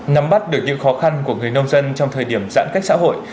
nắm bắt được những khó khăn của người nông dân trong thời điểm giãn cách xã hội